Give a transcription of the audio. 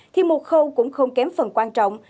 thì một khâu cũng không kém phần quan trọng